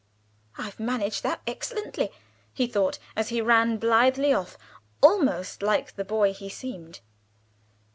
"I've managed that excellently," he thought, as he ran blithely off, almost like the boy he seemed.